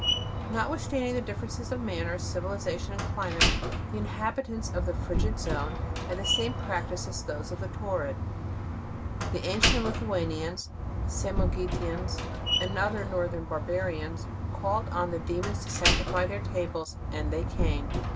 Notwithstanding the difference of manners, civilization and climate, the inhabitants of the Frigid zone had the same practice as those of the Torrid. The ancient Lithuanians, Samogitians, and other northern barbarians, called on the demons to sanctify their tables, and they came.